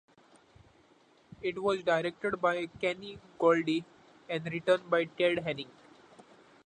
It was directed by Kenny Golde and written by Ted Henning.